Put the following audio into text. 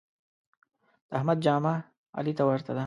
د احمد جامه علي ته ورته ده.